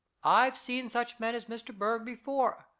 I've seen such men as Mr. Berg before.